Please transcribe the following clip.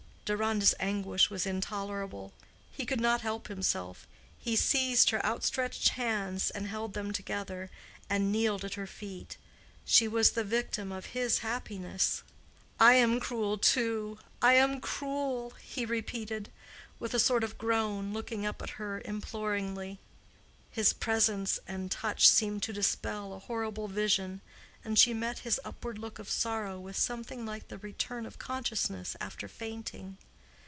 Deronda's anguish was intolerable. He could not help himself. He seized her outstretched hands and held them together, and kneeled at her feet. She was the victim of his happiness. "I am cruel, too, I am cruel," he repeated, with a sort of groan, looking up at her imploringly. His presence and touch seemed to dispel a horrible vision, and she met his upward look of sorrow with something like the return of consciousness after fainting.